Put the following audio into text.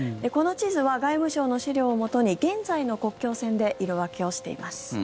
この地図は外務省の資料をもとに現在の国境線で色分けをしています。